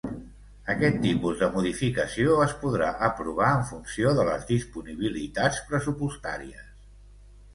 Aquest tipus de modificació es podrà aprovar en funció de les disponibilitats pressupostàries.